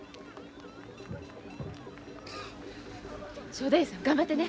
正太夫さん頑張ってね。